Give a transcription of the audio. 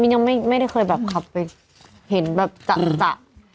ผมยังไม่เคยแบบเขาเคยเห็นแบบจะ